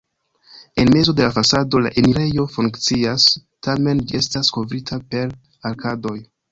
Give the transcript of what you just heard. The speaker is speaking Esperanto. En mezo de la fasado la enirejo funkcias, tamen ĝi estas kovrita per arkadoj.